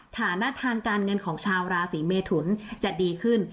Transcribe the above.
ฐานะทางการเงินของชาวราศีเมทุนจะดีขึ้น